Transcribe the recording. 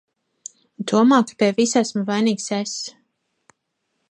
Domā, ka pie visa esmu vainīgs es!